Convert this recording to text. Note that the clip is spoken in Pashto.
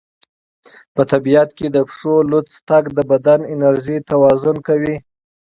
په طبیعت کې د پښو لوڅ تګ د بدن انرژي توازن کوي.